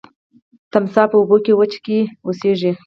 تمساح په اوبو او وچه کې اوسیږي